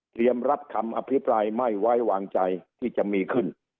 รับคำอภิปรายไม่ไว้วางใจที่จะมีขึ้น